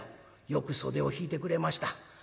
よく袖を引いてくれました。